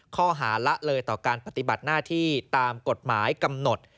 ข้อหาละเลยต่อการปฏิบัติหน้าที่ตามกฎหมายกำหนด